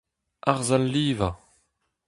Arz al livañ.